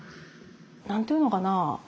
何て言うのかな